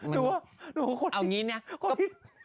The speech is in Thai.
เอาอย่างงี้เนี่ย